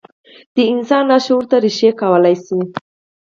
د انسان لاشعور ته رېښې کولای شي.